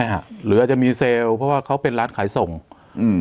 หรืออาจจะมีเซลล์เพราะว่าเขาเป็นร้านขายส่งอืม